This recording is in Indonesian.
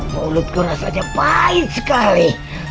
mulutku rasanya pahit sekali